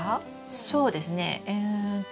そうですねうんと。